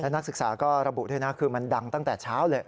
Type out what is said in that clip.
นักศึกษาก็ระบุด้วยนะคือมันดังตั้งแต่เช้าเลย